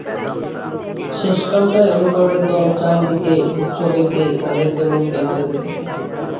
শেষকালটায় অনুকরণের দল চারি দিকে ব্যূহ বেঁধে তাদেরকে মুখ ভ্যাংচাতে থাকে।